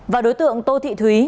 và đối tượng tô thị thúy